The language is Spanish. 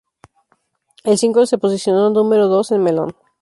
El single se posicionó número dos en MelOn.